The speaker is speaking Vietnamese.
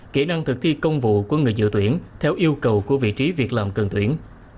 kỹ năng thực thi công vụ của người dự tuyển theo yêu cầu của vị trí việc làm cần tuyển